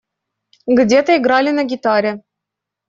Где-то играли на гитаре.